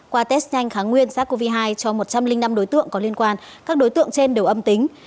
qua test nhanh kháng nguyên sars cov hai cho một trăm linh năm đối tượng có liên quan các đối tượng trên đều âm tính